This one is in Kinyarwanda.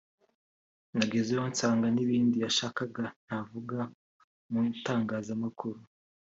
nagezeyo nsanga ni ibindi yashakaga ntavuga mu itangazamakuru